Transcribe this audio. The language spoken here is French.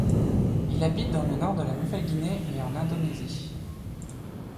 Il habite dans le Nord de la Nouvelle-Guinée et en Indonésie.